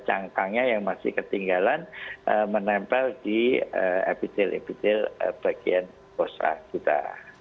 cangkangnya yang masih ketinggalan menempel di epitel epitel bagian osa kita